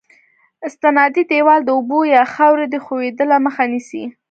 استنادي دیوال د اوبو یا خاورې د ښوېدلو مخه نیسي